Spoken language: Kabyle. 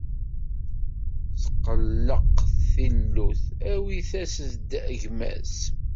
Tetqelleq tilut, awi-t-as-d gma-s.